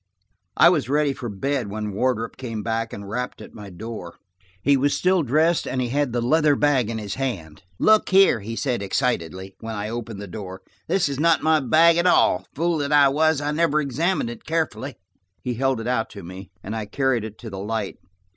I was ready for bed when Wardrop came back and rapped at my door. He was still dressed, and he had the leather bag in his hand. "Look here," he said excitedly, when I had closed the door, "this is not my bag at all. Fool that I was. I never examined it carefully." He held it out to me, and I carried it to the light.